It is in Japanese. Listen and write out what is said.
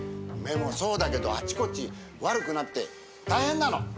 目もそうだけどあちこち悪くなって大変なの。